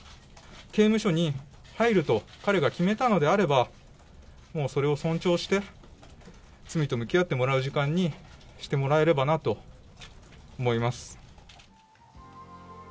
刑務所に入ると彼が決めたのであればもうそれを尊重して、罪と向き合ってもらう時間にしてもらえればなと思います。